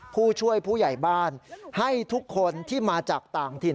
ผู้ช่วยผู้ใหญ่บ้านให้ทุกคนที่มาจากต่างถิ่น